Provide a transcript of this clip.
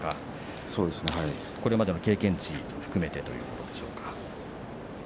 これまでの経験値も含めてということでしょうか。